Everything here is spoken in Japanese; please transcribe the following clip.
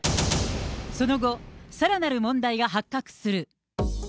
その後、さらなる問題が発覚する。